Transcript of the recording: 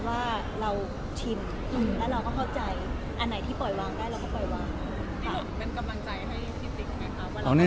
แล้วเราก็เข้าใจ